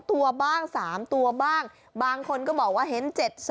ตัวบ้าง๓ตัวบ้างบางคนก็บอกว่าเห็น๗๒